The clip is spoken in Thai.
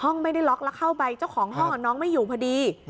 ไม่ได้ล็อกแล้วเข้าไปเจ้าของห้องน้องไม่อยู่พอดี